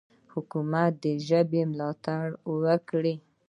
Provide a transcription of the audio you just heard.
حکومت دې د ژبې ملاتړ وکړي.